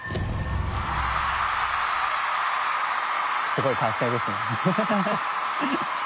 すごい歓声ですね。